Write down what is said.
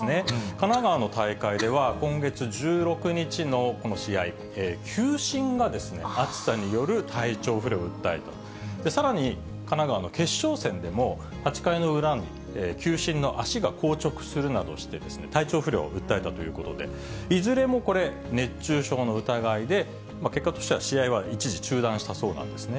神奈川の大会では、今月１６日のこの試合、球審が暑さによる体調不良を訴えたと、さらに、神奈川の決勝戦でも、８回の裏に、球審の足が硬直するなどして、体調不良を訴えたということで、いずれもこれ、熱中症の疑いで、結果として試合は一時中断したそうなんですね。